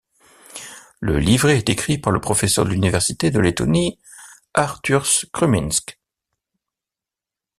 Le livret est écrit par le professeur de l'université de Lettonie Artūrs Krūmiņš.